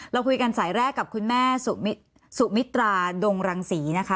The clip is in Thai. เราคุยกันสายแรกกับคุณแม่สุมิตราดงรังศรีนะคะ